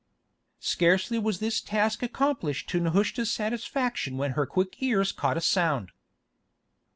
Scarcely was this task accomplished to Nehushta's satisfaction when her quick ears caught a sound.